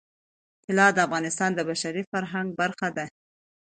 طلا د افغانستان د بشري فرهنګ برخه ده.